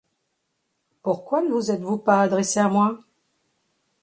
Pourquoi ne vous êtes-vous pas adressée à moi?